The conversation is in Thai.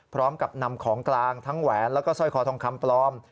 พร้อมกับนำของกลางทั้งแหวนแล้วก็สร้อยคอทองคำปลอม